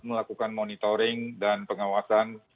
melakukan monitoring dan pengawasan